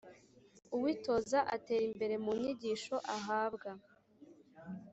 uwitoza atera imbere mu nyigisho ahabwa